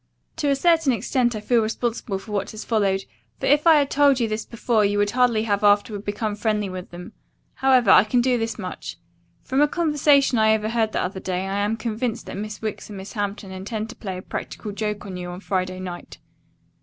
"To a certain extent I feel responsible for what has followed, for if I had told you this before you would hardly have afterward become friendly with them. However, I can do this much. From a conversation I overheard the other day I am convinced that Miss Wicks and Miss Hampton intend to play a practical joke on you on Friday night.